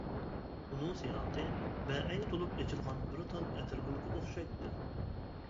ئۇنىڭ سىياقى بەئەينى تولۇپ ئېچىلغان بىر تال ئەتىرگۈلگە ئوخشايتتى.